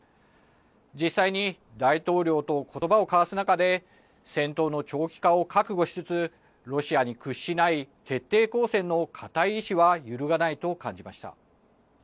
実際に大統領とことばを交わす中で戦闘の長期化を覚悟しつつロシアに屈しない徹底抗戦の固い意志は揺るがないと感じました。